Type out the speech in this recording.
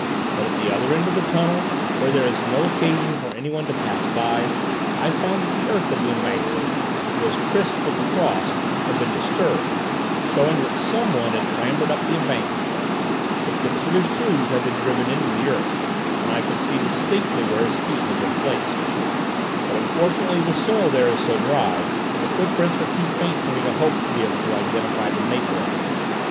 But at the other end of the tunnel, where there is no occasion for anyone to pass by, I found that the earth of the embankment, which was crisp with the frost, had been disturbed, showing that someone had clambered up the embankment; the tips of his shoes had been driven into the earth, and I could see distinctly where his feet had been placed; but unfortunately the soil there is so dry that the footprints were too faint for me to hope to be able to identify the maker of them.